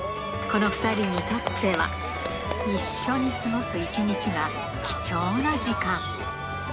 この２人にとっては、一緒に過ごす一日が貴重な時間。